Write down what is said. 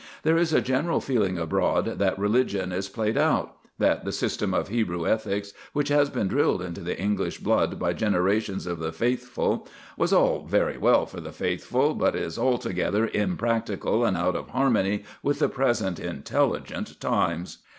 There is a general feeling abroad that religion is played out, that the system of Hebrew ethics which has been drilled into the English blood by generations of the faithful was all very well for the faithful, but is altogether impracticable and out of harmony with the present intelligent times.